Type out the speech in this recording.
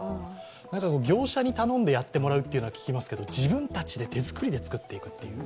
業者に頼んでやってもらうというのは聞きますけど、自分たちで手作りで作っていくという。